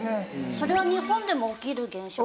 それは日本でも起きる現象ですか？